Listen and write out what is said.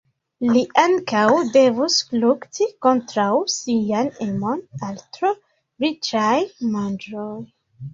Li ankaŭ devus lukti kontraŭ sian emon al tro riĉaj manĝoj.